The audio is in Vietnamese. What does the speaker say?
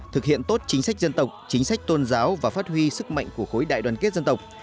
thực hiện tốt chính sách dân tộc chính sách tôn giáo và phát huy sức mạnh của khối đại đoàn kết dân tộc